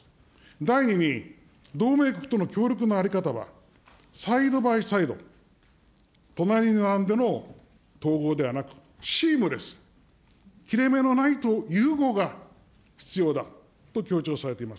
第２に、同盟国との協力の在り方は、サイド・バイ・サイド、隣に並んでの統合ではなく、シームレス、切れ目のない融合が必要だと強調されています。